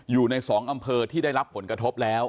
อยู่ใน๒อำเภอที่ได้รับผลกระทบแล้ว